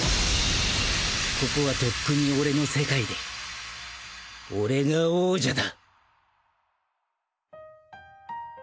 ここはとっくに俺の世界で俺が王者だ！